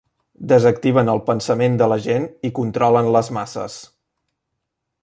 Desactiven el pensament de la gent i controlen les masses.